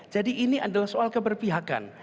jadi ini adalah soal keberpihakan